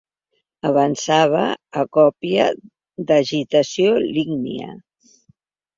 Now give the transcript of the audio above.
Avançada a còpia d'agitació lígnia.